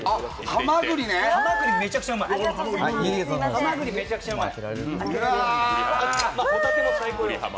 はまぐりめちゃくちゃうまい！